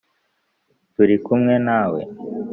turi kumwe nawe